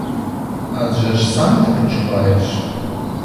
Адже ж сам ти почуваєш.